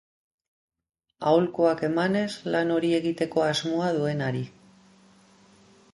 Aholkuak emanez lan hori egiteko asmoa duenari.